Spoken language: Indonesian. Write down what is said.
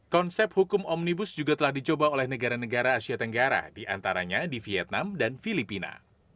konsep hukum omnibus juga telah dicoba oleh negara negara asia tenggara diantaranya di vietnam dan filipina